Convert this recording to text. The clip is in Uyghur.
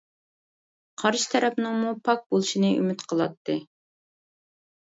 قارشى تەرەپنىڭمۇ پاك بولۇشىنى ئۈمىد قىلاتتى.